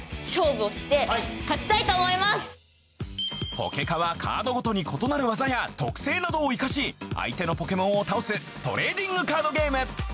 ポケカはカードごとに異なるワザや特性などを活かし相手のポケモンを倒すトレーディングカードゲーム。